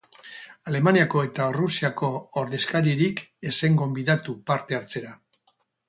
Alemaniako eta Errusiako ordezkaririk ez zen gonbidatu parte hartzera.